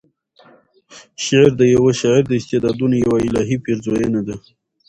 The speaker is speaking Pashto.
شعر د یوه شاعر د استعدادونو یوه الهې پیرزویَنه ده.